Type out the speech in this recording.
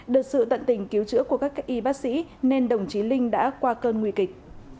được sự tận tình cứu chữa của các y bác sĩ nên đồng chí linh đã qua cơn nguy kịch